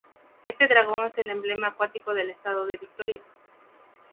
Este dragón es el emblema acuático del Estado de Victoria.